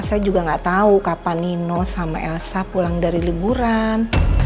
saya juga gak tahu kapan nino sama elsa pulang dari liburan